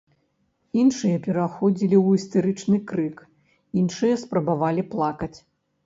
Іншыя пераходзілі ў істэрычны крык, іншыя спрабавалі плакаць.